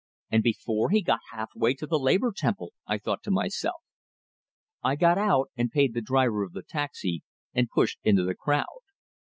"And before he got half way to the Labor Temple!" I thought to myself. I got out, and paid the driver of the taxi, and pushed into the crowd.